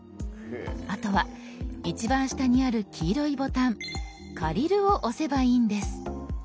あとは一番下にある黄色いボタン「借りる」を押せばいいんです。